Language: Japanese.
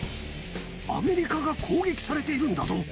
アメリカが攻撃されているんだぞ。